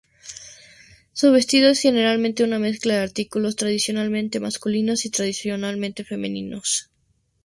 Su vestido es generalmente una mezcla de artículos tradicionalmente masculinos y tradicionalmente femeninos.